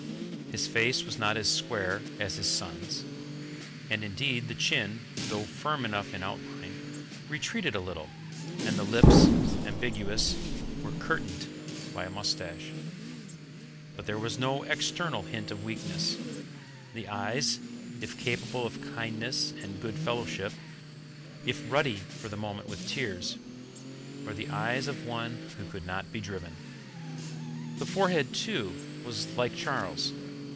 His face was not as square as his son's, and, indeed, the chin, though firm enough in outline, retreated a little, and the lips, ambiguous, were curtained by a moustache. But there was no external hint of weakness. The eyes, if capable of kindness and goodfellowship, if ruddy for the moment with tears, were the eyes of one who could not be driven. The forehead, too, was like Charles's.